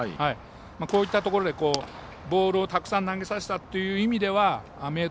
こういったところで、ボールをたくさん投げさせたという意味で明徳